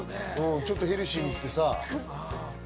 ちょっとヘルシーにしてさ。